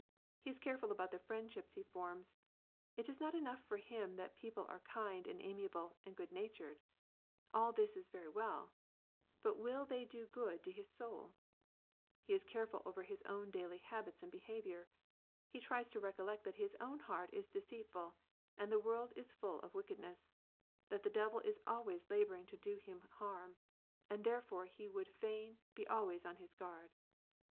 He is careful about the friendships he forms : it is not enough for him that people are kind and amiable and good natured, all this is very well ; but will they do good to his soul 1 He is careful over his own daily habits and behaviour : he tries to recollect that his own heart is deceitful, that the world is full of wickedness, that the devil is always labouring to do him harm, and therefore he would fain be always on his guard.